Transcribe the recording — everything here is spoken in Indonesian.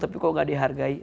tapi kok gak dihargai